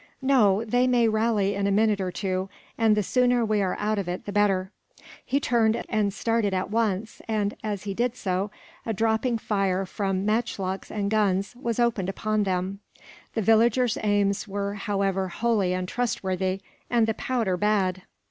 "No; they may rally in a minute or two, and the sooner we are out of it, the better." He turned and started at once and, as he did so, a dropping fire from matchlocks and guns was opened upon them. The villagers' arms were, however, wholly untrustworthy, and the powder bad.